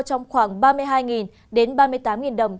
trong khoảng ba mươi hai ba mươi tám đồng